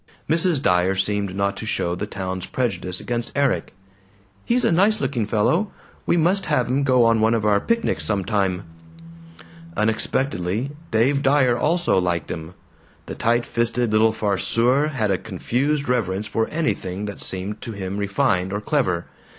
Mrs. Dyer seemed not to share the town's prejudice against Erik. "He's a nice looking fellow; we must have him go on one of our picnics some time." Unexpectedly, Dave Dyer also liked him. The tight fisted little farceur had a confused reverence for anything that seemed to him refined or clever.